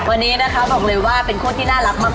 วันนี้นะครับผมเลยว่าเป็นคู่ที่น่ารักมากนะครับ